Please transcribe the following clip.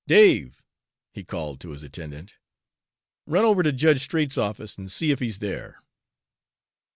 Dave," he called to his attendant, "run over to Judge Straight's office and see if he's there.